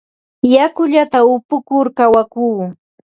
Yakullata upukur kawakuu.